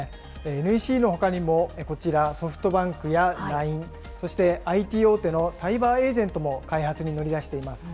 ＮＥＣのほかにもこちら、ソフトバンクやＬＩＮＥ、そしてＩＴ大手のサイバーエージェントも開発に乗り出しています。